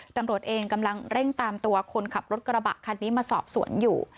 ตำรวจเองกำลังเร่งตามตัวคนขับรถกระบะคันนี้มาสอบสวนอยู่